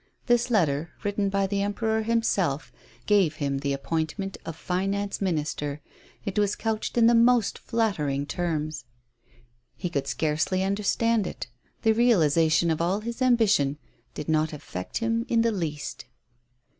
This letter, written by the Emperor himself, gave him the appoint ment of Finance Minister, and was couched in the most flattering terms. He could hardly understand it; the realization of all his ambition did not affect him in the least.